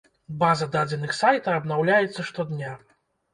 База дадзеных сайта абнаўляецца штодня.